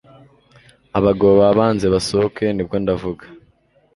abagabo bababanze basohoke nibwo ndavuga